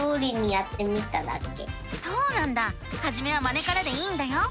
そうなんだはじめはまねからでいいんだよ！